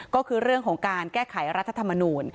ก็คือเรื่องของการแก้ไขรัฐธรรมนูล